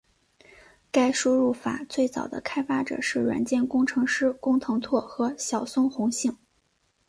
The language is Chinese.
该输入法最早的开发者是软件工程师工藤拓和小松弘幸。